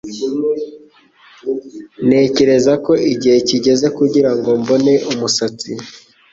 Ntekereza ko igihe kigeze kugirango mbone umusatsi.